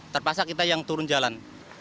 terpaksa kita yang turun jalan